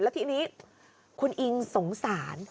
แล้วทีนี้คุณอิงสงสาร